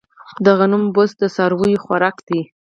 د غنمو بوس د څارویو خوراک دی.